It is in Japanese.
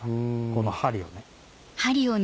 この針をね。